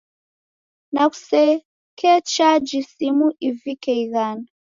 Na kusekechaji simu ivike ighana.